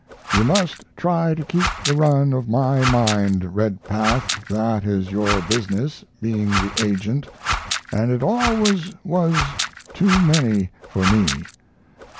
You must try to keep the run of my mind, Redpath that is your business, being the agent, and it always was too many for me....